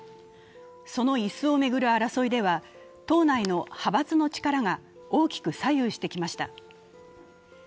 その椅子を巡る争いでは、党内の派閥の力が大きく左右してきました。